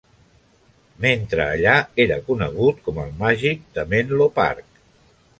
Mentre allà era conegut com El màgic de Menlo Park.